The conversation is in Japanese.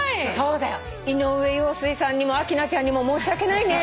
井上陽水さんにも明菜ちゃんにも申し訳ないね。